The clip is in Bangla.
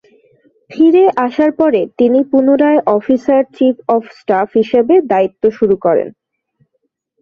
ফিরে আসার পরে তিনি পুনরায় অফিসার চিফ অব স্টাফ হিসেবে দায়িত্ব শুরু করেন।